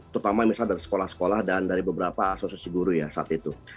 terutama misalnya dari sekolah sekolah dan dari beberapa asosiasi guru ya saat itu